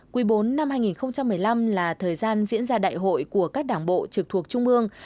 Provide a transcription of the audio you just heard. quý bốn năm hai nghìn một mươi năm là thời gian diễn ra đại hội của các đảng bộ trực thuộc trung ương